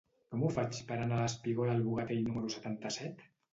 Com ho faig per anar al espigó del Bogatell número setanta-set?